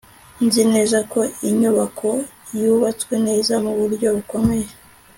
nzi neza ko inyubako yubatswe neza muburyo bukomeye